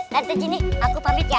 nanti gini aku public ya